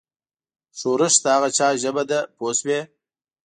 ښورښ د هغه چا ژبه ده پوه شوې!.